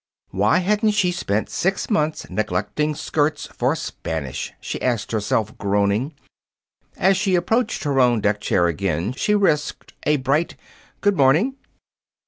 Why hadn't she spent six months neglecting Skirts for Spanish? she asked herself, groaning. As she approached her own deck chair again she risked a bright, "Good morning."